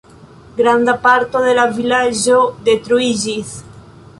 Granda parto de la vilaĝo detruiĝis.